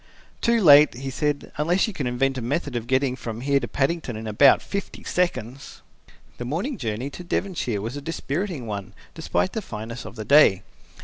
"Too late," he said, "unless you can invent a method of getting from here to Paddington in about fifty seconds." The morning journey to Devonshire was a dispiriting one despite the fineness of the day.